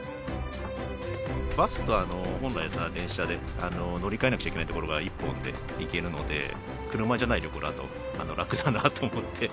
バスと、本来だったら電車で乗り換えなくちゃいけないところが１本で行けるので、車じゃない旅行だと楽だなと思って。